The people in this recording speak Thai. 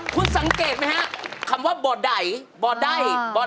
คุณสังเกตไหมครับคำว่าบอดไดบอดไดบอด